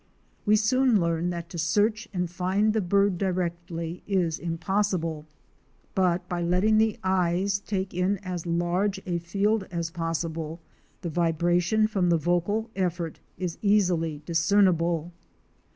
We soon learn that to search and find the bird directly is impossible, but by letting the eyes take in as large a field as possible, the vibration from the vocal effort is easily discernible.